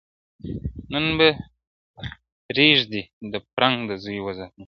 نن به ریږدي د فرنګ د زوی ورنونه!!